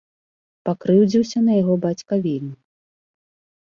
Пакрыўдзіўся на яго бацька вельмі.